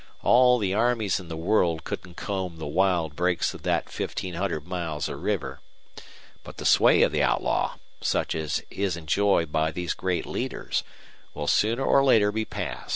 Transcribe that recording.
All the armies in the world couldn't comb the wild brakes of that fifteen hundred miles of river. But the sway of the outlaw, such as is enjoyed by these great leaders, will sooner or later be past.